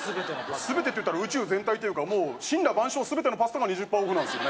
全てといったら宇宙全体というか森羅万象全てのパスタが２０％オフなんすよね